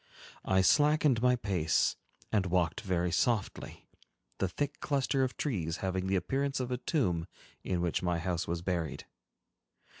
I slackened my pace, and walked very softly, the thick cluster of trees having the appearance of a tomb in which my house was buried.